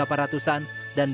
dan berjalan ke surabaya